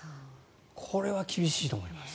これは厳しいと思います。